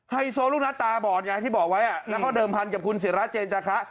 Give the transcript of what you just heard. ไฮโซลูกนัดตาบอดไงที่บอกไว้แล้วก็เดิมพันกับคุณศิราเจนจาคะ